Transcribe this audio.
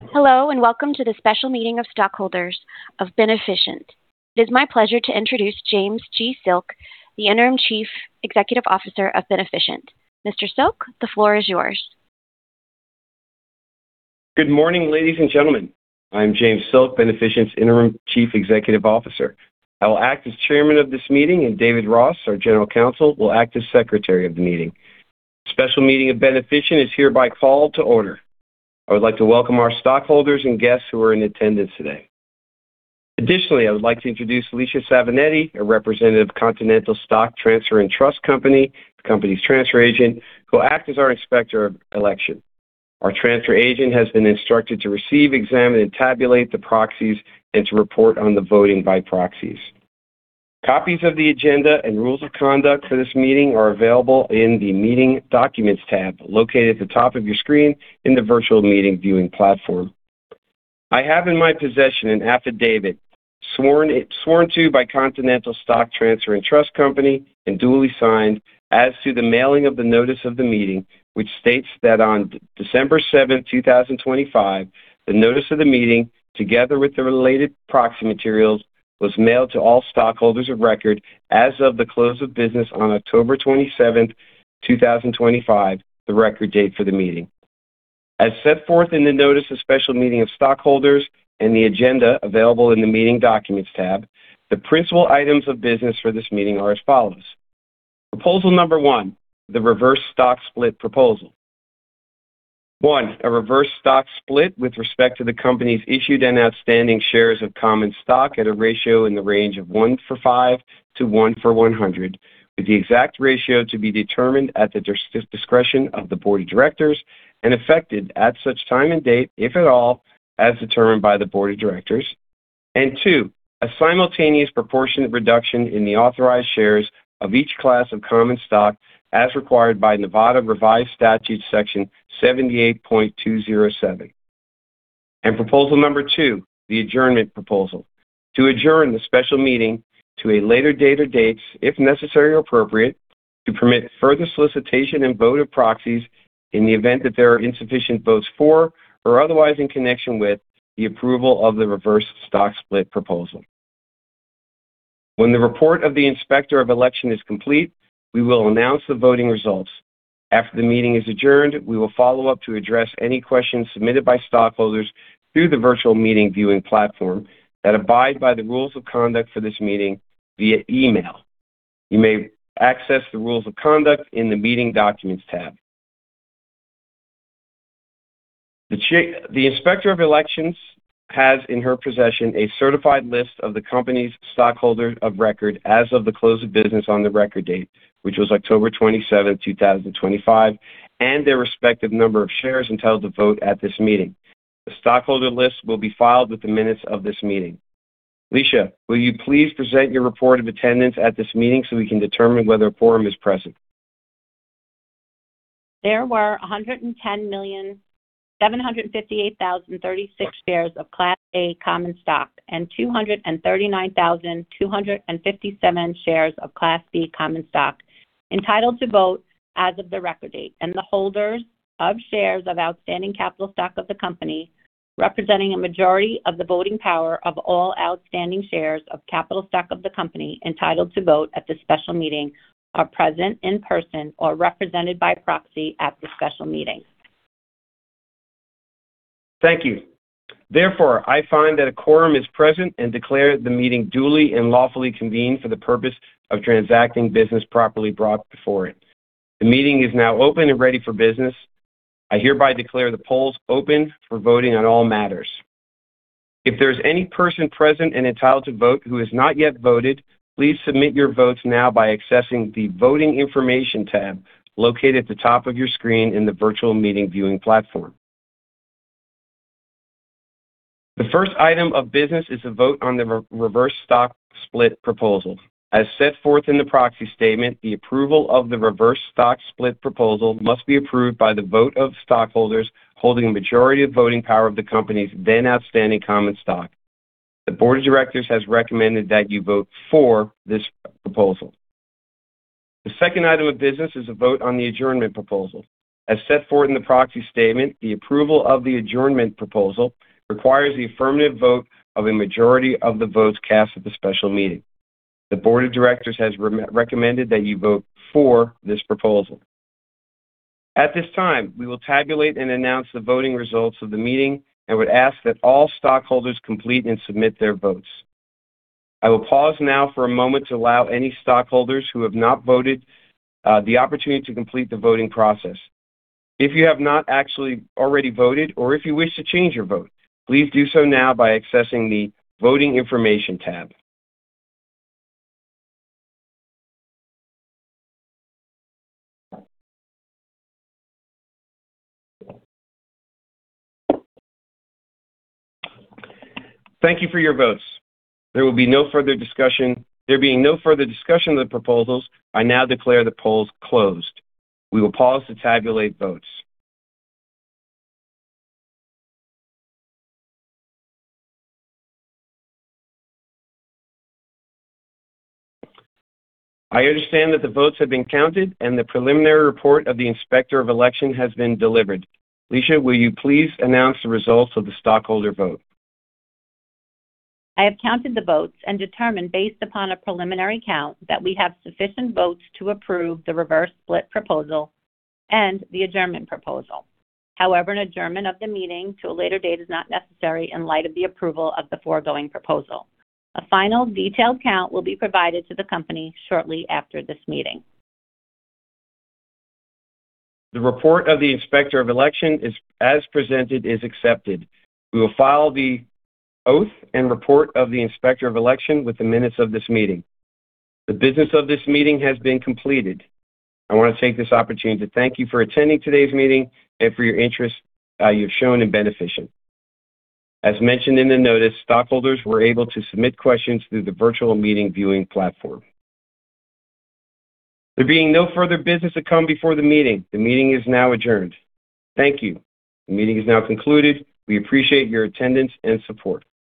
Hello and welcome to the special meeting of stockholders of Beneficient. It is my pleasure to introduce James G. Silk, the Interim Chief Executive Officer of Beneficient. Mr. Silk, the floor is yours. Good morning, ladies and gentlemen. I'm James Silk, Beneficient's Interim Chief Executive Officer. I will act as Chairman of this meeting, and David Rost, our General Counsel, will act as Secretary of the meeting. The special meeting of Beneficient is hereby called to order. I would like to welcome our stockholders and guests who are in attendance today. Additionally, I would like to introduce Leicia Savinetti, a representative of Continental Stock Transfer and Trust Company, the company's transfer agent, who will act as our Inspector of Election. Our transfer agent has been instructed to receive, examine, and tabulate the proxies, and to report on the voting by proxies. Copies of the agenda and rules of conduct for this meeting are available in the Meeting Documents tab, located at the top of your screen in the virtual meeting viewing platform. I have in my possession an affidavit sworn to by Continental Stock Transfer and Trust Company and duly signed as to the mailing of the notice of the meeting, which states that on December 7, 2025, the notice of the meeting, together with the related proxy materials, was mailed to all stockholders of record as of the close of business on October 27, 2025, the record date for the meeting. As set forth in the notice of special meeting of stockholders and the agenda available in the Meeting Documents tab, the principal items of business for this meeting are as follows: Proposal number one, the reverse stock split proposal. One, a reverse stock split with respect to the company's issued and outstanding shares of common stock at a ratio in the range of one-for-five to one-for-one hundred, with the exact ratio to be determined at the discretion of the Board of Directors and effected at such time and date, if at all, as determined by the Board of Directors. Two, a simultaneous proportionate reduction in the authorized shares of each class of common stock as required by Nevada Revised Statutes Section 78.207. Proposal number two, the adjournment proposal. To adjourn the special meeting to a later date or dates, if necessary or appropriate, to permit further solicitation and vote of proxies in the event that there are insufficient votes for or otherwise in connection with the approval of the reverse stock split proposal. When the report of the Inspector of Election is complete, we will announce the voting results. After the meeting is adjourned, we will follow up to address any questions submitted by stockholders through the virtual meeting viewing platform that abide by the rules of conduct for this meeting via email. You may access the rules of conduct in the Meeting Documents tab. The Inspector of Election has in her possession a certified list of the company's stockholders of record as of the close of business on the record date, which was October 27, 2025, and their respective number of shares entitled to vote at this meeting. The stockholder list will be filed with the minutes of this meeting. Leicia, will you please present your report of attendance at this meeting so we can determine whether a quorum is present? There were 110,758,036 shares of Class A common stock and 239,257 shares of Class B common stock entitled to vote as of the record date, and the holders of shares of outstanding capital stock of the company, representing a majority of the voting power of all outstanding shares of capital stock of the company entitled to vote at the special meeting, are present in person or represented by proxy at the special meeting. Thank you. Therefore, I find that a quorum is present and declare the meeting duly and lawfully convened for the purpose of transacting business properly brought before it. The meeting is now open and ready for business. I hereby declare the polls open for voting on all matters. If there is any person present and entitled to vote who has not yet voted, please submit your votes now by accessing the Voting Information tab located at the top of your screen in the virtual meeting viewing platform. The first item of business is the vote on the reverse stock split proposal. As set forth in the proxy statement, the approval of the reverse stock split proposal must be approved by the vote of stockholders holding a majority of voting power of the company's then outstanding common stock. The Board of Directors has recommended that you vote for this proposal. The second item of business is the vote on the adjournment proposal. As set forth in the proxy statement, the approval of the adjournment proposal requires the affirmative vote of a majority of the votes cast at the special meeting. The Board of Directors has recommended that you vote for this proposal. At this time, we will tabulate and announce the voting results of the meeting and would ask that all stockholders complete and submit their votes. I will pause now for a moment to allow any stockholders who have not voted the opportunity to complete the voting process. If you have not actually already voted or if you wish to change your vote, please do so now by accessing the Voting Information tab. Thank you for your votes. There will be no further discussion. There being no further discussion of the proposals, I now declare the polls closed. We will pause to tabulate votes. I understand that the votes have been counted and the preliminary report of the Inspector of Election has been delivered. Leicia, will you please announce the results of the stockholder vote? I have counted the votes and determined based upon a preliminary count that we have sufficient votes to approve the reverse split proposal and the adjournment proposal. However, an adjournment of the meeting to a later date is not necessary in light of the approval of the foregoing proposal. A final detailed count will be provided to the company shortly after this meeting. The report of the Inspector of Election is, as presented, accepted. We will file the oath and report of the Inspector of Election with the minutes of this meeting. The business of this meeting has been completed. I want to take this opportunity to thank you for attending today's meeting and for your interest you've shown in Beneficient. As mentioned in the notice, stockholders were able to submit questions through the virtual meeting viewing platform. There being no further business to come before the meeting, the meeting is now adjourned. Thank you. The meeting is now concluded. We appreciate your attendance and support.